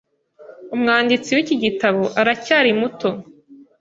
Umwanditsi w'iki gitabo aracyari muto.